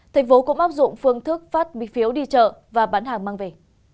thành phố cũng áp dụng phương thức phát phiếu đi chợ và bán hàng mang về